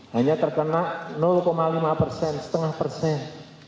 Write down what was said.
hanya terkena lima persen setengah persen